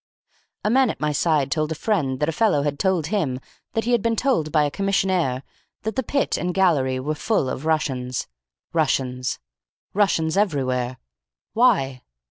"A man at my side told a friend that a fellow had told him that he had been told by a commissionaire that the pit and gallery were full of Russians. Russians. Russians everywhere. Why?